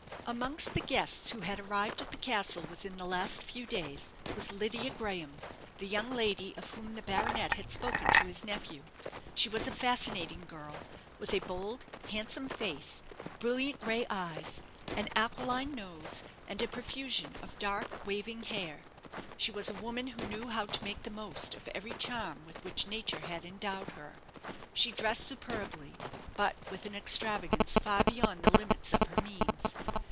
Amongst the guests who had arrived at the castle within the last few days was Lydia Graham, the young lady of whom the baronet had spoken to his nephew. She was a fascinating girl, with a bold, handsome face, brilliant gray eyes, an aquiline nose, and a profusion of dark, waving hair. She was a woman who knew how to make the most of every charm with which nature had endowed her. She dressed superbly; but with an extravagance far beyond the limits of her means.